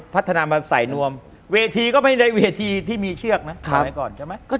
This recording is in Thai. พัฒนามาใส่นวมเวทีก็ไม่ได้เวทีที่มีเชือกนะ